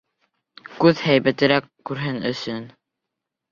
Күҙ һәйбәтерәк күрһен өсөн.